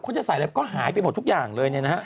ก็หายไปหมดทุกอย่างเลย